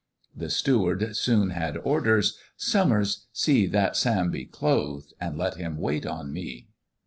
The Steward soon had orders "Summers, see That Sam be clothed, and let him wait on me."